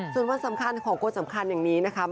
ส่วนวันสำคัญของคนสำคัญอย่างนี้นะคะ